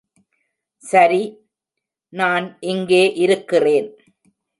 சரி, நான் இங்கே இருக்கிறேன்.